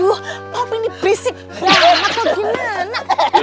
aduh poppy ini berisik banget tom gimana